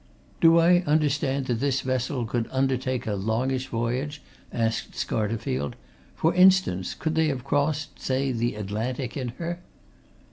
"Do I understand that this vessel could undertake a longish voyage?" asked Scarterfield. "For instance, could they have crossed, say, the Atlantic in her?"